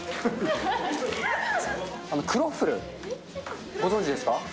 クロッフル、ご存じですか？